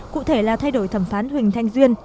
cụ thể là thay đổi thẩm phán huỳnh thanh duyên